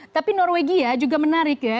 tapi norwegia juga menarik ya